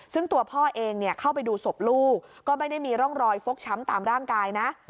ซึ่งตัวพ่อเองเข้าไปดูศพลูกก็ไม่ได้มีร่องรอยฟกช้ำตามร่างกายนะ